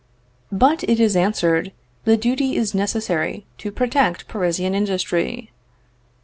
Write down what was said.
But it is answered, the duty is necessary to protect Parisian industry.